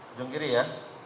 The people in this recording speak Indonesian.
ujung kiri ya